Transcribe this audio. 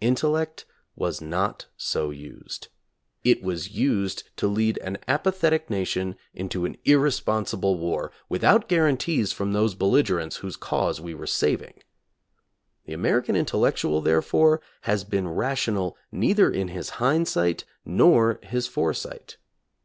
Intellect was not so used. It was used to lead an apathetic nation into an irre sponsible war, without guarantees from those belligerents whose cause we were saving. The American intellectual, therefore, has been rational neither in his hindsight nor his foresight.